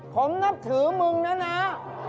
ผมนับถือมึงนะนะ